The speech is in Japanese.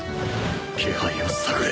気配を探れ！